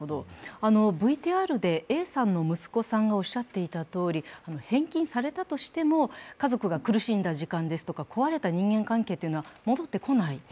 ＶＴＲでＡさんの息子さんがおっしゃっていたとおり、返還されたとしても家族が苦しんだ時間ですとか、壊れた人間関係というのは戻ってこない。